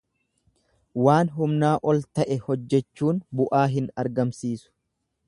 Waan humnaa ol ta'e hojjechuun bu'aa hin argamsiisu.